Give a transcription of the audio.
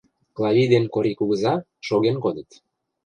Клавий ден Корий кугыза шоген кодыт.